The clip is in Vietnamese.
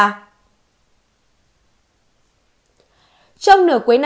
câu hỏi ra là khi nào nó sẽ xuất hiện